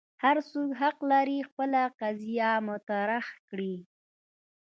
هر څوک حق لري خپل قضیه مطرح کړي.